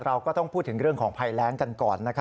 เราก็ต้องพูดถึงเรื่องของภัยแรงกันก่อน